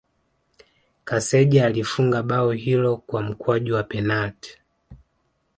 Kaseja alifunga bao hilo kwa mkwaju wa penalti